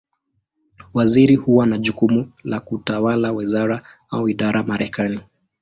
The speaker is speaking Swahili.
Waziri huwa na jukumu la kutawala wizara, au idara Marekani.